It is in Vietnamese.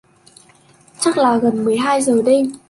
chắc là gần mười hai giờ đêm